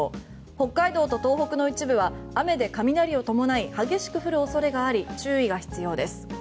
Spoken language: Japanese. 北海道と東北の一部は雨で雷を伴い激しく降る恐れがあり注意が必要です。